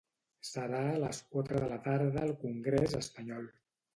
Serà a les quatre de la tarda al congrés espanyol.